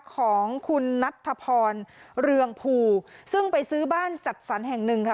ของคุณนัทธพรเรืองภูซึ่งไปซื้อบ้านจัดสรรแห่งหนึ่งค่ะ